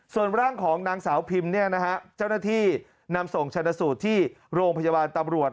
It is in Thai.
ส่วนร่างของนางสาวพิมเจ้าหน้าที่นำส่งชนะสูตรที่โรงพยาบาลตำรวจ